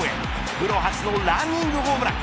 プロ初のランニングホームラン。